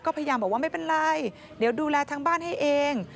ก็พยายามบอกว่าไม่เป็นไรเดี๋ยวดูแลทั้งบ้านให้เอง